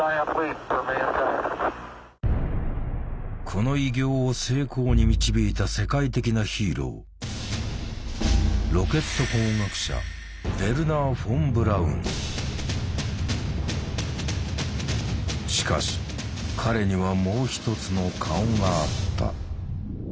この偉業を成功に導いた世界的なヒーローしかし彼にはもう一つの顔があった。